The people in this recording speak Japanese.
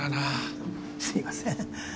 すいません。